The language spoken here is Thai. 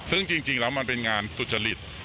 ซึ่งจริงแล้วมันเป็นงานสุจริต